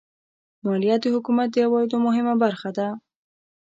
مالیه د حکومت د عوایدو مهمه برخه ده.